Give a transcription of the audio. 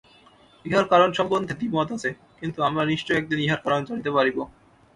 ইহার কারণ সম্বন্ধে দ্বিমত আছে, কিন্তু আমরা নিশ্চয়ই একদিন ইহার কারণ জানিতে পারিব।